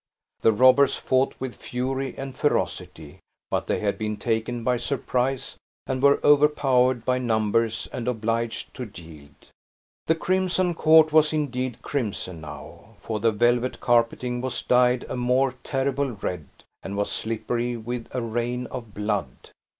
The robbers fought with fury and ferocity; but they had been taken by surprise, and were overpowered by numbers, and obliged to yield. The crimson court was indeed crimson now; for the velvet carpeting was dyed a more terrible red, and was slippery with a rain of blood!